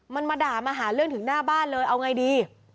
มันมาด่ามาหาเรื่องถึงหน้าบ้านเลยเอาไงดี